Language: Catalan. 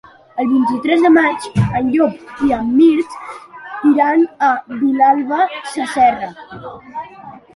El vint-i-tres de maig en Llop i en Mirt iran a Vilalba Sasserra.